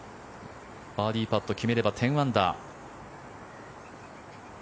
バーディーパット決めれば１０アンダー。